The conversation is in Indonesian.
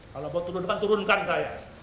kalau mau turunkan turunkan saya